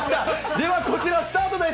ではこちらスタートです。